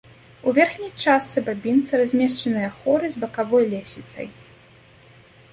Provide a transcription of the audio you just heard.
У верхняй частцы бабінца размешчаныя хоры з бакавой лесвіцай.